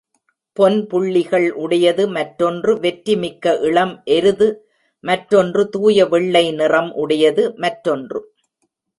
பொன் புள்ளிகள் உடையது மற்றொன்று வெற்றி மிக்க இளம் எருது மற்றொன்று தூய வெள்ளை நிறம் உடையது மற்றொன்று.